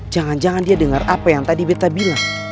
jangan jangan dia dengar apa yang tadi beta bilang